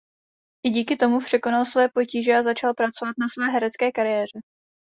I díky tomu překonal svoje potíže a začal pracovat na své herecké kariéře.